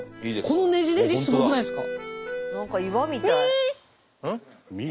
このねじねじすごくないですか？